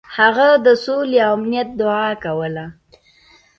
هغه د سولې او امنیت دعا کوله.